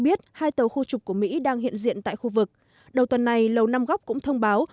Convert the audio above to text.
biết hai tàu khu trục của mỹ đang hiện diện tại khu vực đầu tuần này lầu năm góc cũng thông báo